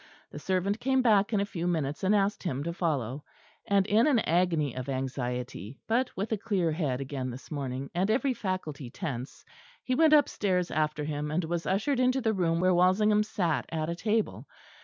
The servant came back in a few minutes, and asked him to follow; and in an agony of anxiety, but with a clear head again this morning, and every faculty tense, he went upstairs after him, and was ushered into the room where Walsingham sat at a table.